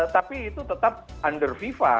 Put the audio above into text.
tapi itu tetap under fifa